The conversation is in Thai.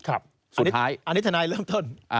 อันนี้ทนายเริ่มต้น